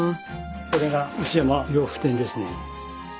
これが内山洋服店ですね。